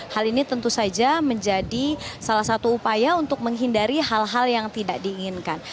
hal ini tentu saja menjadi salah satu upaya untuk menghindari hal hal yang tidak diinginkan